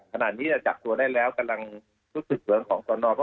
ขนาดนี้จับตัวได้แล้วกำลังรู้สึกเหลืองของตอนนพ